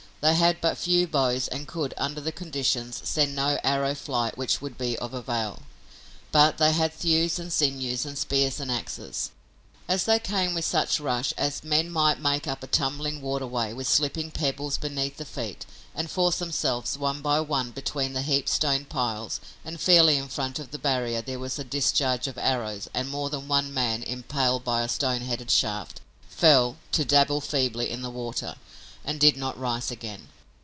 They had but few bows and could, under the conditions, send no arrow flight which would be of avail, but they had thews and sinews and spears and axes. As they came with such rush as men might make up a tumbling waterway with slipping pebbles beneath the feet and forced themselves one by one between the heaped stone piles and fairly in front of the barrier there was a discharge of arrows and more than one man, impaled by a stone headed shaft, fell, to dabble feebly in the water, and did not rise again.